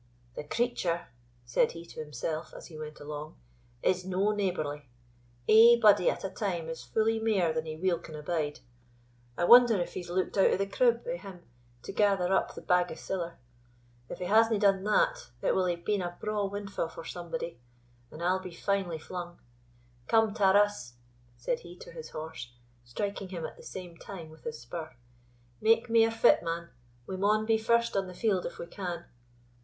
"The creature," said he to himself, as he went along, "is no neighbourly; ae body at a time is fully mair than he weel can abide. I wonder if he's looked out o' the crib o' him to gather up the bag o' siller. If he hasna done that, it will hae been a braw windfa' for somebody, and I'll be finely flung. Come, Tarras," said he to his horse, striking him at the same time with his spur, "make mair fit, man; we maun be first on the field if we can."